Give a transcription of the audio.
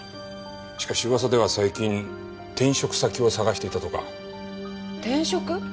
しかし噂では最近転職先を探していたとか。転職？